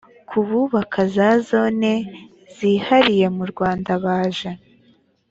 ku bubaka za zone zihariye murwanda baje